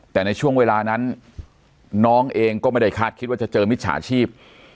แต่ในช่วงเวลานั้นน้องเองก็ไม่ได้คาดคิดว่าจะเจอมิจฉาชีพ